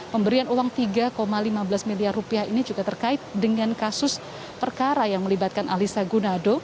pemberian uang tiga lima belas miliar rupiah ini juga terkait dengan kasus perkara yang melibatkan alisa gunado